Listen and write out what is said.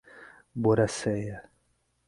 Boraceia